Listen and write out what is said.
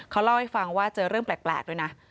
เขาเล่าให้ฟังว่าเจอเรื่องแปลกด้วยนะ